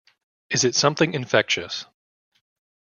Is it something infectious?